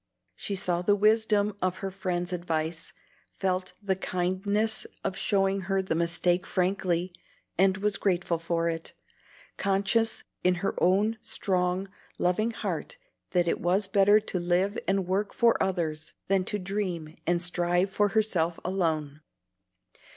She saw the wisdom of her friend's advice, felt the kindness of showing her the mistake frankly, and was grateful for it, conscious in her own strong, loving heart that it was better to live and work for others than to dream and strive for herself alone.